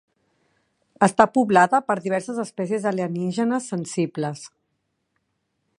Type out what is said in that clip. Està poblada per diverses espècies alienígenes sensibles.